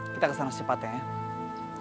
kita kesana secepatnya ya